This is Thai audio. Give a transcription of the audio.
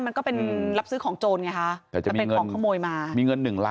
มันก็เป็นรับซื้อของโจรไงคะมันเป็นของขโมยมามีเงินหนึ่งล้าน